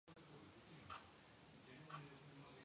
This has resulted in considerable beach erosion to the north.